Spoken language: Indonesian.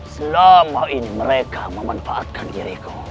selama ini mereka memanfaatkan diriku